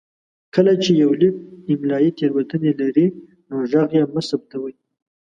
کله چې يو ليک املايي تېروتنې لري نو غږ يې مه ثبتوئ.